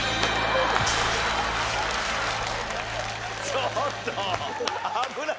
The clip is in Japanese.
ちょっと！